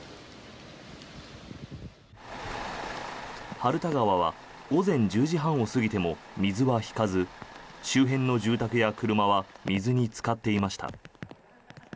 春田川は午前１０時半を過ぎても水は引かず周辺の住宅や車は水につかっていました。